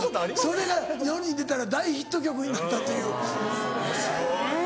それが世に出たら大ヒット曲になったという。ねぇ。